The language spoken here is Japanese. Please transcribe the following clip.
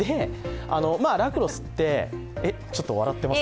ラクロスってえっ、ちょっと笑ってます？